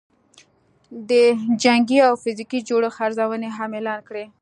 د جنګي او فزیکي جوړښت ارزونې هم اعلان کړې